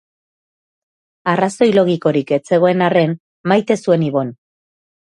Arrazoi logikorik ez zegoen arren, maite zuen Ibon.